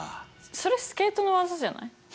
それスケートの技じゃない？